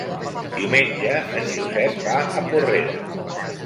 Diumenge en Josep va a Porrera.